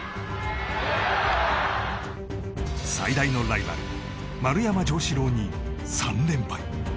最大のライバル丸山城志郎に３連敗。